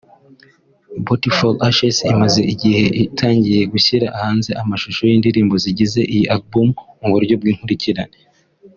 Beauty For Ashes imaze igihe itangiye gushyira hanze amashusho y’indirimbo zigize iyi album mu buryo bw’inkurikirane